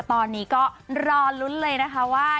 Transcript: ตอนนี้ก็รอลุ้นเลยนะคะว่า